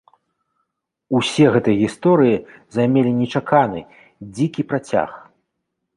Усе гэтыя гісторыі займелі нечаканы, дзікі працяг!